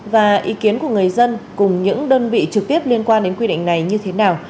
và ý kiến của người dân cùng những đơn vị trực tiếp liên quan đến quy định này như thế nào